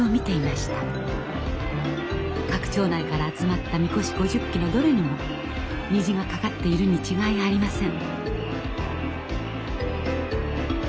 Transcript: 各町内から集まった神輿５０基のどれにも虹が架かっているに違いありません。